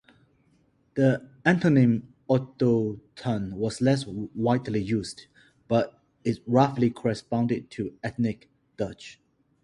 The antonym "autochtoon" was less widely used, but it roughly corresponded to "ethnic Dutch".